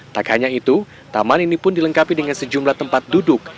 tak hanya itu taman ini pun dilengkapi dengan sejumlah tempat duduk